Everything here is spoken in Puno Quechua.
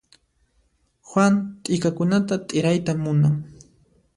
Juan t'ikakunata t'irayta munan.